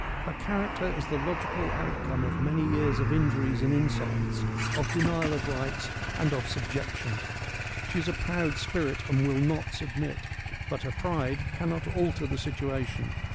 Her character is the logical outcome of many years of injuries and insults : of denial of rights and of subjection. She is a proud spirit and will not submit, but her pride cannot alter the situation.